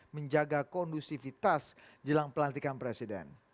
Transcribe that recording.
menjaga kondusivitas jelang pelantikan presiden